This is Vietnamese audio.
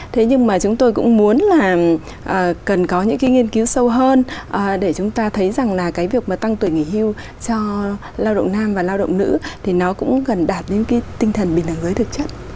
thế nhưng mà chúng tôi cũng muốn là cần có những cái nghiên cứu sâu hơn để chúng ta thấy rằng là cái việc mà tăng tuổi nghỉ hưu cho lao động nam và lao động nữ thì nó cũng gần đạt đến cái tinh thần bình đẳng giới thực chất